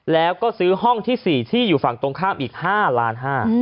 แล้วก็ซื้อห้องที่๔ที่อยู่ฝั่งตรงข้ามอีก๕ล้าน๕